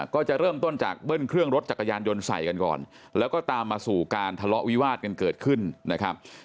ก็จะเริ่มต้นจากเบิ้ลเครื่องรถจักรยานยนต์ใส่กันก่อนแล้วก็ตามมาสู่การทะเลาะวิวาดกันเกิดขึ้นนะครับ